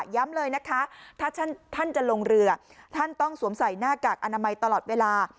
เลยนะคะถ้าท่านจะลงเรือท่านต้องสวมใส่หน้ากากอนามัยตลอดเวลา